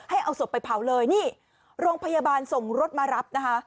เอาศพไปเผาเลยนี่โรงพยาบาลส่งรถมารับนะคะ